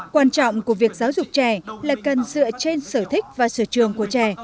quan trọng của việc giáo dục trẻ là cần dựa trên sở thích và sở trường của trẻ